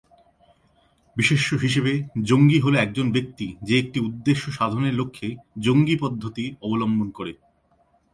বিশেষ্য হিসেবে, "জঙ্গি" হল একজন ব্যক্তি যে একটি উদ্দেশ্য সাধনের লক্ষ্যে জঙ্গী পদ্ধতি অবলম্বন করে।